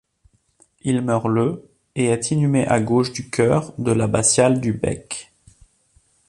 Il meurt le et est inhumé à gauche du chœur de l'abbatiale du Bec.